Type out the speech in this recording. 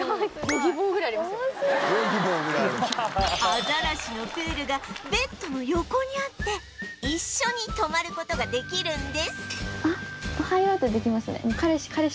アザラシのプールがベッドの横にあって一緒に泊まる事ができるんです